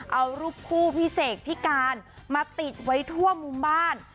เอารูปคู่พี่เสกพิการมาติดไว้ทั่วมุมบ้าน